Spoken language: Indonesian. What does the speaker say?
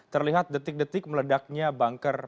terlihat detik detik meledaknya banker